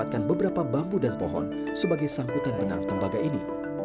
ketika diangkutan benang tembaga ini